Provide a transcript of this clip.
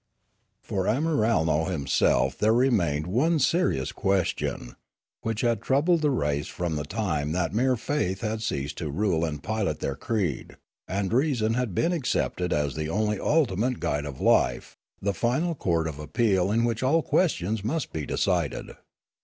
For Amiralno himself there remained one serious question, which had troubled the race from the time that mere faith had ceased to rule and pilot their creed, and reason had been accepted as the only ultimate guide of life, the final court of appeal in which all ques tions must be decided.